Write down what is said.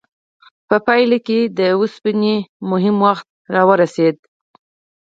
په پایله کې د اوسپنې مهم وخت راورسید.